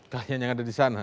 kahyang yang ada di sana